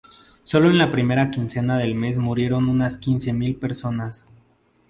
Sólo en la primera quincena del mes murieron unas quince mil personas.